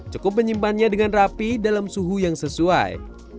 cukup menyimpannya dengan rapi dalam suhu yang sesuai